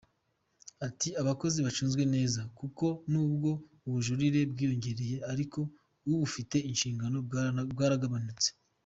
Ati “Abakozi bacunzwe neza kuko nubwo ubujurire bwiyongereye ariko ubufite ishingiro bwaragabanutse.